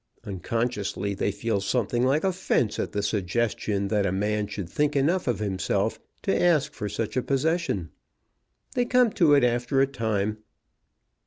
Unconsciously they feel something like offence at the suggestion that a man should think enough of himself to ask for such a possession. They come to it, after a time."